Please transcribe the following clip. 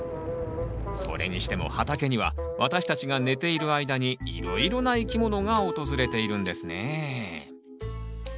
それにしても畑には私たちが寝ている間にいろいろな生き物が訪れているんですね。